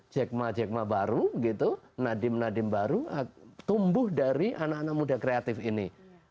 jegma jegma baru nadim nadim baru tumbuh dari anak anak muda kreatif ini